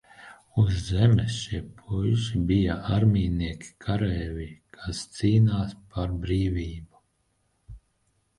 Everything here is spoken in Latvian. Uz Zemes šie puiši bija armijnieki, kareivji, kas cīnās par brīvību.